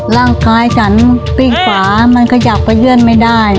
ร่างกายฉันปิ้งขวามันขยับไปเยื่อนไม่ได้